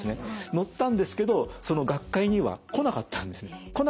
載ったんですけどその学会には来なかったんです。